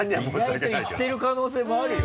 意外といってる可能性もあるよ？